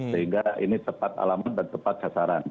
sehingga ini tepat alamat dan tepat sasaran